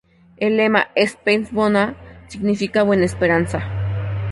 El lema, "Spes Bona", significa "Buena Esperanza".